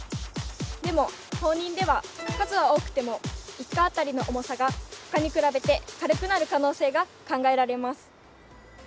でも放任では数は多くても１果あたりの重さが他に比べて軽くなる可能性が考えられます。